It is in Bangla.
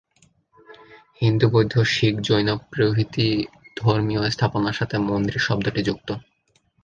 হিন্দু, বৌদ্ধ, শিখ, জৈন প্রভৃতি ধর্মীয় স্থাপনার সাথে মন্দির শব্দটি যুক্ত।